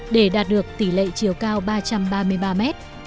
để đạt được tỷ lệ chiều cao ba trăm ba mươi ba mét